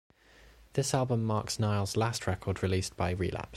This album marks Nile's last record released by Relapse.